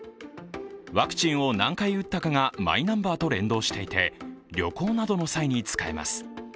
ワクチンを何回打ったかがマイナンバーと連動していて旅行などの際に使えます。